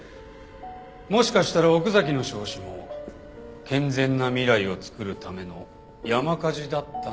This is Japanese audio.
もしかしたら奥崎の焼死も健全な未来を作るための山火事だったのかもしれないね。